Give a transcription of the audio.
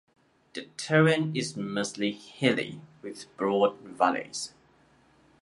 The terrain is mostly hilly, with broad valleys.